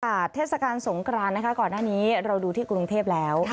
อาทธิสการสงครานก่อนหน้านี้เราดูที่กรุงเทพฯแล้ว